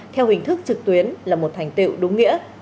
theo hình thức trực tuyến là một thành tiệu đúng nghĩa